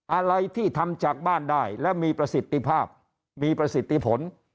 อะไรที่ทำจากบ้านได้และมีประสิทธิภาพมีประสิทธิผล